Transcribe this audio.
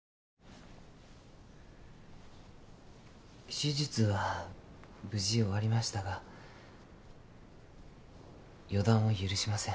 手術は無事終わりましたが予断を許しません。